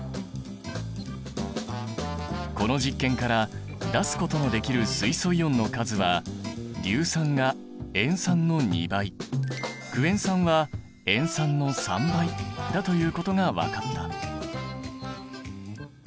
この実験から出すことのできる水素イオンの数は硫酸が塩酸の２倍クエン酸は塩酸の３倍だということが分かった。